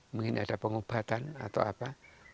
mungkin ada pengobatan atau apa